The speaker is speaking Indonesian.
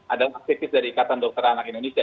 adalah aktivis dari ikatan dokter anak indonesia